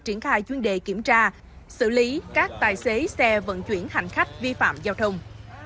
triển khai chuyên đề kiểm tra xử lý các tài xế xe vận chuyển hành khách vi phạm giao thông